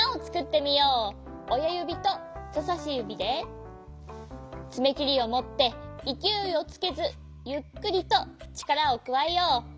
おやゆびとひとさしゆびでつめきりをもっていきおいをつけずゆっくりとちからをくわえよう。